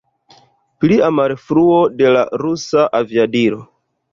Plia malfruo de la rusa aviadilo.